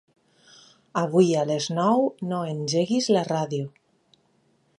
Avui a les nou no engeguis la ràdio.